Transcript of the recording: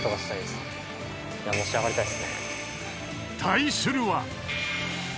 ［対するは］